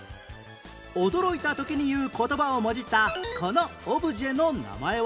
驚いた時に言う言葉をもじったこのオブジェの名前は？